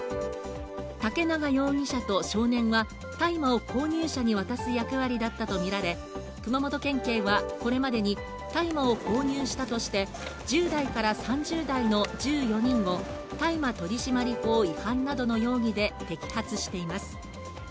竹永容疑者と少年は大麻を購入者に渡す役割だったとみられ熊本県警はこれまでに大麻を購入したとして１０代から３０代の１４人を大麻取締法違反などの容疑で摘発しています。